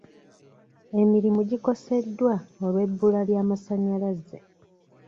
Emirimu gikoseddwa olw'ebbula ly'amasanyalaze.